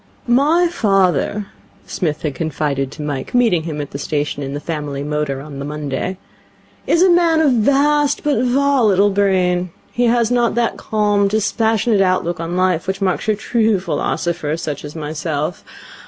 'My father,' Psmith had confided to Mike, meeting him at the station in the family motor on the Monday, 'is a man of vast but volatile brain. He has not that calm, dispassionate outlook on life which marks your true philosopher, such as myself.